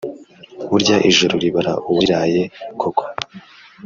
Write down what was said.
burya ijoro ribara uwariraye koko,